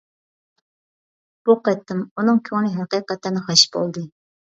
بۇ قېتىم ئۇنىڭ كۆڭلى ھەقىقەتەن غەش بولدى.